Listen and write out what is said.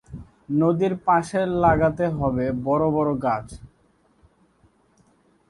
নদীর পাশের লাগাতে হবে বড় বড় গাছ।